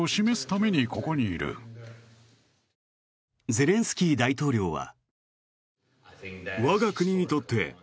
ゼレンスキー大統領は。